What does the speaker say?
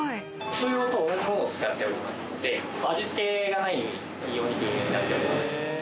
人用と同じものを使っておりますので味付けがないお肉になっております。